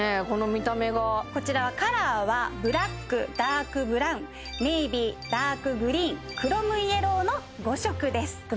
この見た目がこちらカラーはブラックダークブラウンネイビーダークグリーンクロムイエローの５色です